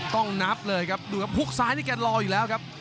ต้องนับเลยครับดูครับฮุกซ้ายนี่แกรออยู่แล้วครับ